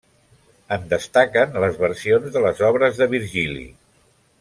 En destaquen les versions de les obres de Virgili.